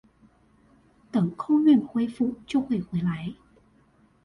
等空運恢復就會回來